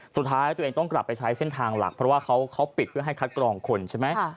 ตัวเองต้องกลับไปใช้เส้นทางหลักเพราะว่าเขาปิดเพื่อให้คัดกรองคนใช่ไหม